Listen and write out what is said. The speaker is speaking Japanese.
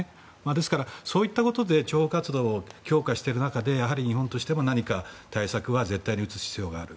ですから、そういったことで諜報活動を強化していく中日本としても何か対策は絶対に打つ必要がある。